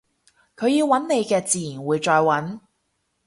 佢要搵你嘅自然會再搵